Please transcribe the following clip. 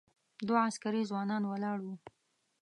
دوه عسکري ځوانان ولاړ و.